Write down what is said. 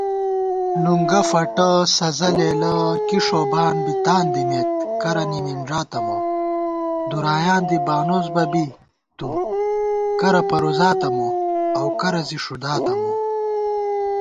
نُنگہ فَٹہ سزَہ لېلہ کِݭوبان بی تان دِمېت کرہ نِمِنݮاتہ مو * دُرایاں دی بانُوس بہ بی تُوکرہ پروزاتہ مو اؤ کرہ زی ݭُداتہ مو